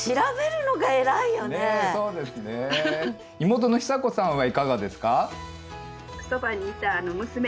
妹の久子さんはいかがですか？